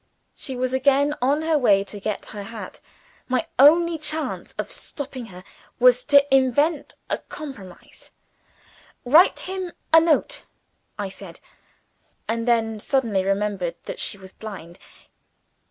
She was again on her way to get her hat. My only chance of stopping her was to invent a compromise. "Write him a note," I said and then suddenly remembered that she was blind.